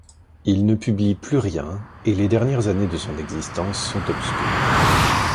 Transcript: Il ne publie plus rien et les dernières années de son existence sont obscures.